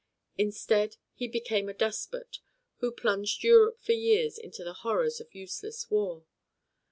Instead he became a despot who plunged Europe for years into the horrors of useless war.